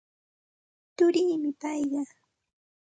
Turiimi payqa.